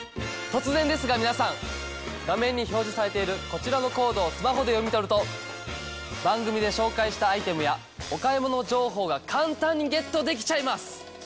突然ですが皆さん画面に表示されているこちらのコードをスマホで読み取ると番組で紹介したアイテムやお買い物情報が簡単にゲットできちゃいます。